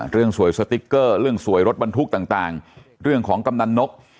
เรื่องสวยสติ๊กเกอร์เรื่องสวยรถบรรทุกต่างเรื่องของกำนันนก